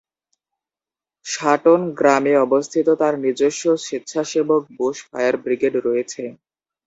Certain গ্রামে অবস্থিত তার নিজস্ব স্বেচ্ছাসেবক বুশ ফায়ার ব্রিগেড রয়েছে।